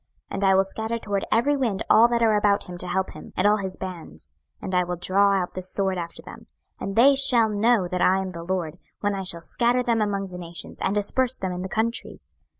26:012:014 And I will scatter toward every wind all that are about him to help him, and all his bands; and I will draw out the sword after them. 26:012:015 And they shall know that I am the LORD, when I shall scatter them among the nations, and disperse them in the countries.